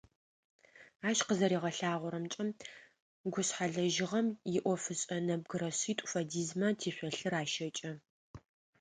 Ащ къызэригъэлъэгъуагъэмкӏэ, гушъхьэлэжьыгъэм иӏофышӏэ нэбгырэ шъитӏу фэдизмэ тишъолъыр ащэкӏэ.